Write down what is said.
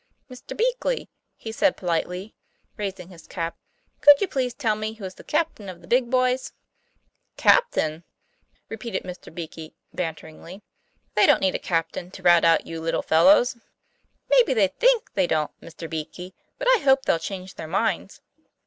'Mr. Beakey," he said, politely raising his cap, "could you please tell me who is the captain of the big boys?" ''Captain!" repeated Mr. Beakey, banteringly. 'They don't need a captain to rout out you little fellows." " Maybe they think they don't, Mr. Beakey; but I hope they'll change their minds.